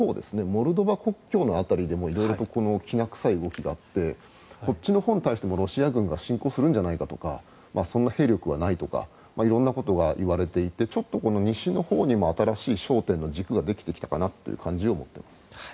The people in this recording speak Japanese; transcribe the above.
モルドバ国境の辺りでも色々、きな臭い動きがあってこっちのほうに対してもロシア軍が侵攻するんじゃないかとかそんな兵力はないとか色んなことがいわれていてちょっと西のほうにも新しい焦点の軸ができてきたかなという感じを持っています。